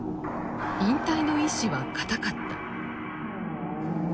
引退の意志は固かった。